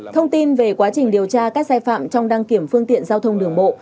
thông tin về quá trình điều tra các sai phạm trong đăng kiểm phương tiện giao thông đường bộ